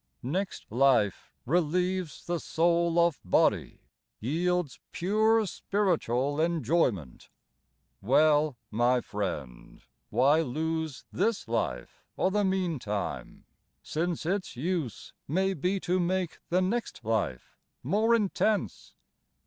Next life relieves the soul of body, yields Pure spiritual enjoyment; well, my friend, Why lose this life o* the meantime, since tfs use Maybe to make the next life more intense?"